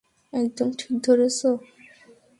একদম ঠিক ধরেছ।